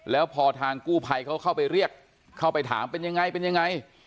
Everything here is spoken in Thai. แล้วพอทางกู้ภัยเขาเข้าไปเรียกเข้าไปถามเป็นยังไงเป็นยังไง